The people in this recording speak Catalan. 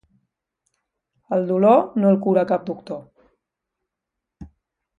El dolor no el cura cap doctor.